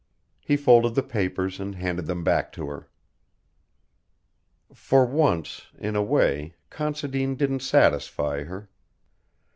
He folded the papers and handed them back to her. For once in a way Considine didn't satisfy her.